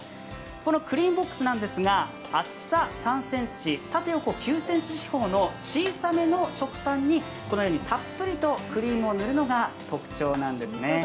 このクリームボックスなんですが、厚さ３ｃｍ、縦横９ｃｍ四方の小さめの食パンにこのようにたっぷりとクリームを塗るのが特徴なんですね。